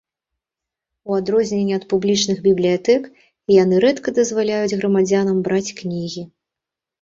У адрозненне ад публічных бібліятэк, яны рэдка дазваляюць грамадзянам браць кнігі.